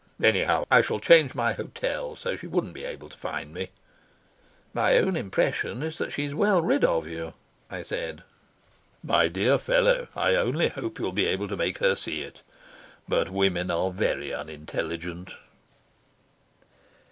Anyhow, I shall change my hotel, so she wouldn't be able to find me." "My own impression is that she's well rid of you," I said. "My dear fellow, I only hope you'll be able to make her see it. But women are very unintelligent."